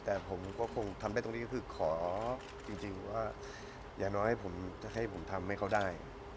แต่ผมก็คงทำได้ตรงนี้ก็คือขอจริงว่าอย่างน้อยผมจะให้ผมทำให้เขาได้